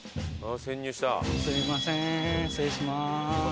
すいません失礼します。